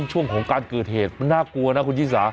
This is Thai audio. ช่วงของการเกิดเหตุมันน่ากลัวนะคุณชิสา